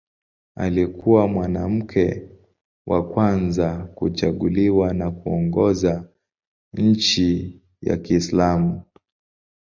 Alikuwa mwanamke wa kwanza kuchaguliwa na kuongoza nchi ya Kiislamu.